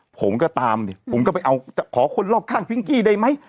ผมก็ตามดิผมก็ไปเอาขอคนรอบข้างพิงกี้ได้ไหม